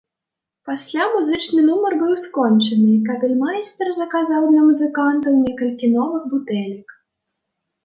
Пасля музычны нумар быў скончаны, і капельмайстар заказаў для музыкантаў некалькі новых бутэлек.